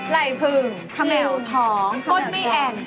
ไหล่ผึงเขมงถ้องคนไม่แอ่ง